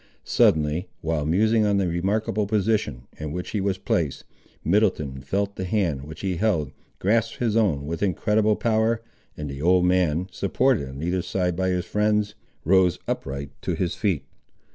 Suddenly, while musing on the remarkable position, in which he was placed, Middleton felt the hand, which he held, grasp his own with incredible power, and the old man, supported on either side by his friends, rose upright to his feet.